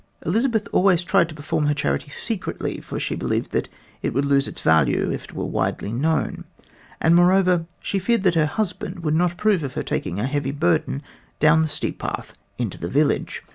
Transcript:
Elizabeth always tried to perform her charity secretly, for she believed that it would lose its value if it were widely known and moreover she feared that her husband would not approve of her taking a heavy burden down the steep path into the village.